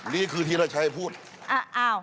นี่คือเทียรชัยพูดอ้าว